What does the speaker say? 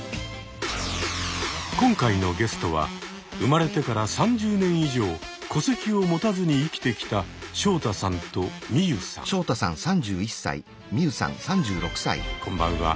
今回のゲストは生まれてから３０年以上戸籍を持たずに生きてきたこんばんは。